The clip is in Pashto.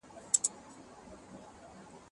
زه اوس انځورونه رسم کوم،